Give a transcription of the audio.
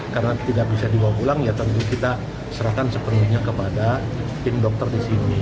karena tidak bisa dibawa pulang ya tentu kita serahkan sepenuhnya kepada tim dokter di sini